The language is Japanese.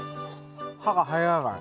歯が入らない。